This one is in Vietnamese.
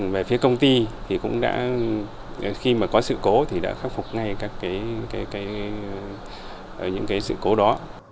về phía công ty khi có sự cố thì đã khắc phục ngay những sự cố đó